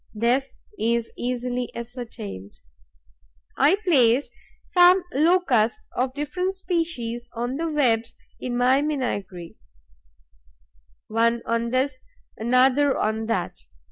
This is easily ascertained. I place some Locusts of different species on the webs in my menagerie, one on this, another on that.